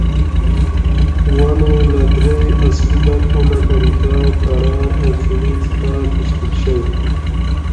ونې له درې اصلي برخو لکه ریښه، تنه او جوغې څخه تشکیل شوې.